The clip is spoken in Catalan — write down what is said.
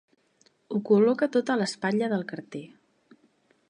Ho col·loca tot a l'espatlla del carter.